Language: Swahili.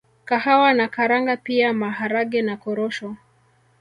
kahawa na karanga pia Maharage na korosho